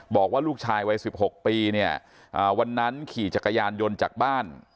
บอกว่าลูกชายวัย๑๖ปีเนี่ยวันนั้นขี่จักรยานยนต์จากบ้าน